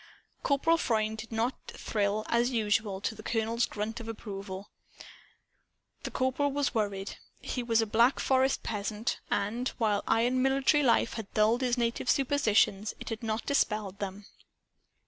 Corporal Freund did not thrill, as usual, to the colonel's grunt of approval. The Corporal was worried. He was a Black Forest peasant; and, while iron military life had dulled his native superstitions, it had not dispelled them.